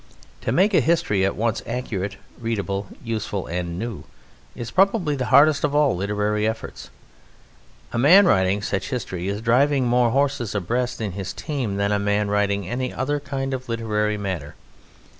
To make a history at once accurate, readable, useful, and new, is probably the hardest of all literary efforts; a man writing such history is driving more horses abreast in his team than a man writing any other kind of literary matter.